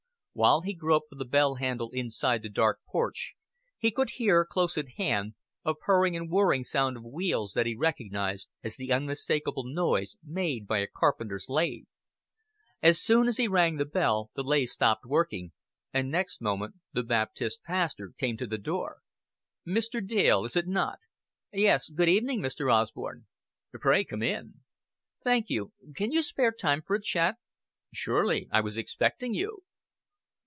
While he groped for the bell handle inside the dark porch he could hear, close at hand, a purring and whirring sound of wheels that he recognized as the unmistakable noise made by a carpenter's lathe. As soon as he rang the bell the lathe stopped working, and next moment the Baptist pastor came to the door. "Mr. Dale is it not? "Yes good evening, Mr. Osborn." "Pray come in." "Thank you. Could you spare time for a chat?" "Surely. I was expecting you."